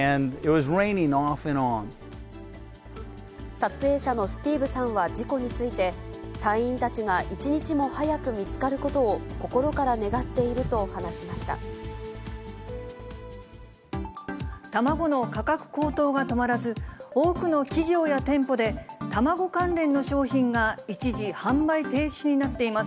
撮影者のスティーブさんは事故について、隊員たちが一日も早く見つかることを心から願っていると話しまし卵の価格高騰が止まらず、多くの企業や店舗で、卵関連の商品が一時販売停止になっています。